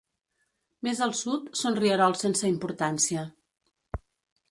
Més al sud són rierols sense importància.